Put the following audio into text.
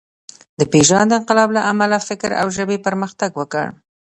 د پېژاند انقلاب له امله فکر او ژبې پرمختګ وکړ.